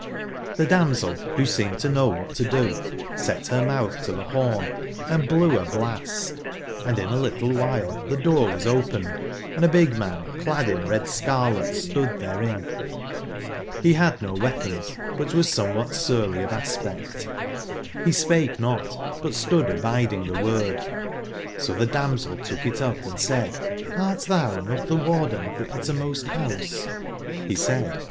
'Cbz damsel, who seemed to know what to do, set her mouth to the horn, and blew a blast; and in a little while the door was opened, and a big man clad in red scarlet stood therein : he had no weapons, but was some what surly of aspect: he spake not, but stood abid ing the word: so the damsel took it up & said: ''Hrt thou not the harden of the Qttermost House?" jj^Re said